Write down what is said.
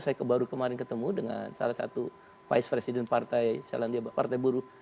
saya baru kemarin ketemu dengan salah satu vice president partai selandia partai buruh